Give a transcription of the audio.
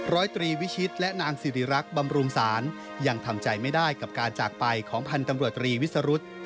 ร้อยตรีวิชิตและนางสิริรักษ์บำรุงศาลยังทำใจไม่ได้กับการจากไปของพันธุ์ตำรวจตรีวิสรุธ